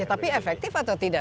tapi efektif atau tidak